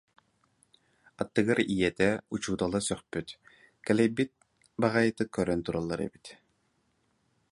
Аттыгар ийэтэ, учуутала сөхпүт, кэлэйбит баҕайытык көрөн тураллар эбит